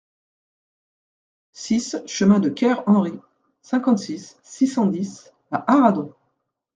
six chemin de Ker Henry, cinquante-six, six cent dix à Arradon